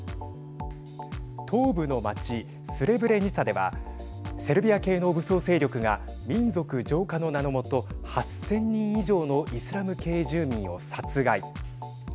東部の町スレブレニツァではセルビア系の武装勢力が民族浄化の名の下８千人以上のイスラム系住民を殺害。